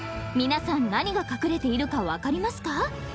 ［皆さん何が隠れているか分かりますか？］